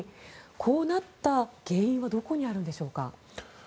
こうなった原因はどこにあるのでしょうか。